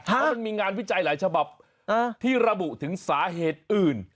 เพราะมันมีงานวิจัยหลายฉบับที่ระบุถึงสาเหตุอื่น